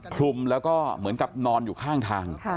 คลุมแล้วก็เหมือนกับนอนอยู่ข้างทาง